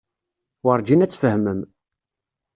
Werǧin ad tfehmem.